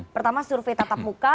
pertama survei tatap muka